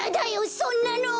そんなの！